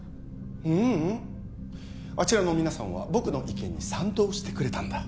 ううんあちらの皆さんは僕の意見に賛同してくれたんだ